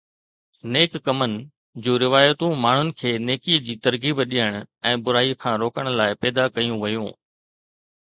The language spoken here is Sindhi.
”نيڪ ڪمن“ جون روايتون ماڻهن کي نيڪيءَ جي ترغيب ڏيڻ ۽ برائيءَ کان روڪڻ لاءِ پيدا ڪيون ويون.